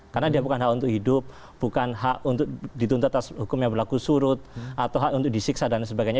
karena dia bukan hak untuk hidup bukan hak untuk dituntut atas hukum yang berlaku surut atau hak untuk disiksa dan sebagainya